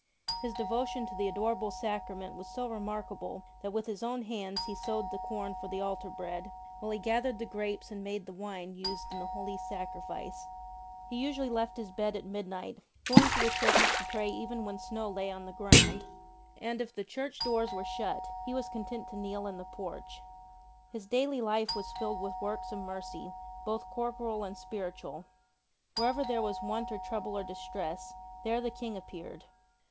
His devotion to the Adorable Sacrament was so remarkable that with his own hands he sowed the corn for the altar bread, while he gathered the grapes and made the wine used in the Holy 31 Sacrifice/ He usually left his bed at midnight, going to the churches to pray even when snow lay on the ground ; and if the church doors were shut he was content to kneel in the porch. His daily life was filled with works of mercy, both corporal and spiritual. Wherever there was want or trouble or distress, there the King appeared.